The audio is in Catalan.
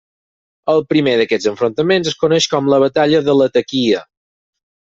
El primer d'aquests enfrontaments es coneix com la Batalla de Latakia.